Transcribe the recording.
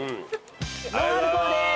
ノンアルコールです！